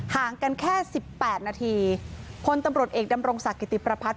ห่างกันแค่๑๘นาทีผลตำรวจเอกดำรงศักดิ์กิติประพัทย์